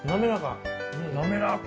滑らか。